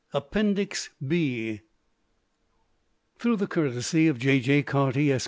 APPENDIX B Through the courtesy of J.J. Carty, Esq.